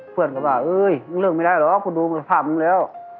เพื่อนก็บอกเอ้ยมันเลือกไม่ได้หรอกกูดูสภาพมันแล้ว